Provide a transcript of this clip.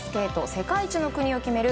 世界一の国を決める